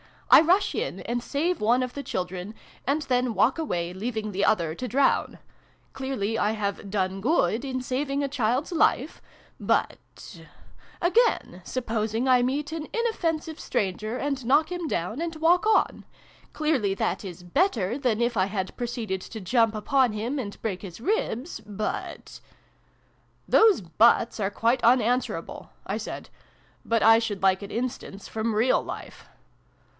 I rush in, and save one of the children, and then walk away, leaving the other to drown. Clearly I have 'done good,' in saving a child's life ? But . Again, supposing I meet an inoffensive stranger, and knock him down, and walk on. Clearly that is 'better' than if I had proceeded to jump upon him and break his ribs ? But "Those ' buts ' are quite unanswerable," I said. " But I should like an instance from real life."